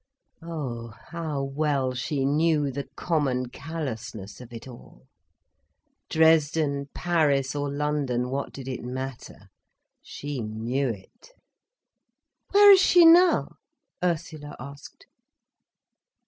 Oh how well she knew the common callousness of it all. Dresden, Paris, or London, what did it matter? She knew it. "Where is she now?" Ursula asked.